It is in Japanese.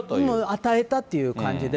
与えたという感じで。